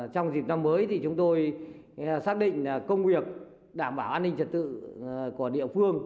trong dịp năm mới thì chúng tôi xác định công việc đảm bảo an ninh trật tự của địa phương